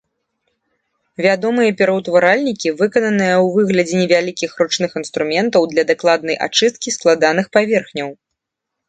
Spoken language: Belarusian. Вядомыя пераўтваральнікі, выкананыя ў выглядзе невялікіх ручных інструментаў для дакладнай ачысткі складаных паверхняў.